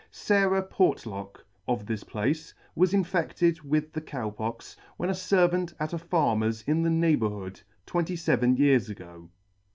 SARAH PORTLOCK, of this place, was infedted with the Cow Pox, when a Servant at a Farmer's in the neighbourhood, twenty feven years ago *.